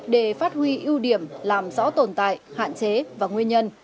để phát huy ưu điểm làm rõ tồn tại hạn chế và nguyên nhân